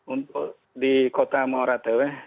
untuk di kota mauratewe